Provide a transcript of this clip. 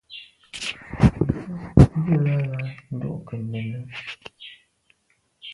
Ntshob ndùlàlà ndo nke nène.